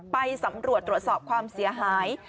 ไปสำรวจตรวจสอบความเสียหาย